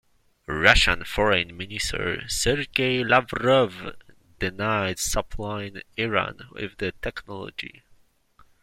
Russian Foreign Minister Sergey Lavrov denied supplying Iran with the technology.